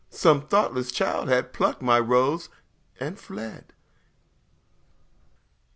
Some thoughtless child had plucked my rose and fled!